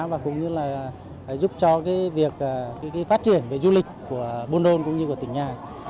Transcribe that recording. và giúp cho việc phát triển du lịch của buôn đôn cũng như của tỉnh nhà